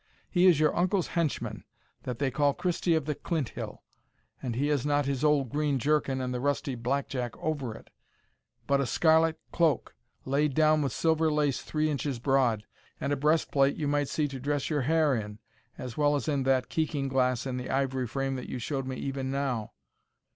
He is your uncle's henchman, that they call Christie of the Clinthill; and he has not his old green jerkin and the rusty blackjack over it, but a scarlet cloak, laid down with silver lace three inches broad, and a breast plate you might see to dress your hair in, as well as in that keeking glass in the ivory frame that you showed me even now.